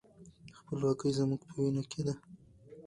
خپلواکي زموږ په وینه کې ده.